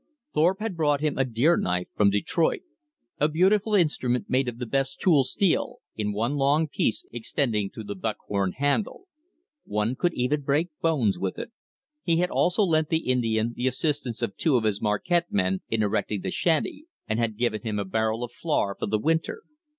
Thorpe had brought him a deer knife from Detroit; a beautiful instrument made of the best tool steel, in one long piece extending through the buck horn handle. One could even break bones with it. He had also lent the Indian the assistance of two of his Marquette men in erecting the shanty; and had given him a barrel of flour for the winter.